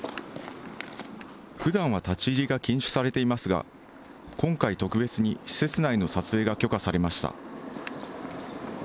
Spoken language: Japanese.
ふだんは立ち入りが禁止されていますが、今回、特別に施設内の撮影が許可されました。